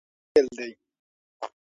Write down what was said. دا زموږ د بریا پیل دی.